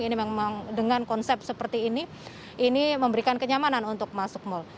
ini memang dengan konsep seperti ini ini memberikan kenyamanan untuk masuk mal